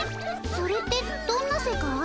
それってどんな世界？